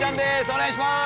お願いします！